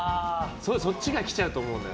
そっちが来ちゃうと思う。